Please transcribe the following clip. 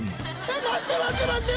待って待って待って。